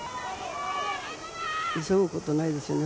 急ぐことないですよね。